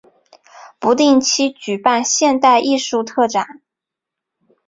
不定期举办现代艺术特展。